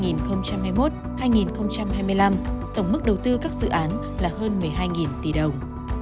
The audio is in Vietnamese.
giai đoạn hai nghìn hai mươi một hai nghìn hai mươi năm tổng mức đầu tư các dự án là hơn một mươi hai tỷ đồng